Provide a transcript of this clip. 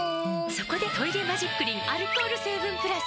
そこで「トイレマジックリン」アルコール成分プラス！